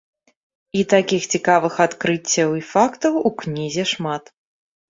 І такіх цікавых адкрыццяў і фактаў у кнізе шмат.